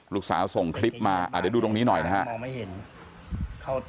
ลูกสาวส่งคลิปมาเดี๋ยวดูตรงนี้หน่อยนะครับ